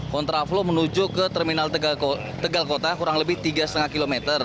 kontra flow menuju ke terminal tegal kota kurang lebih tiga lima km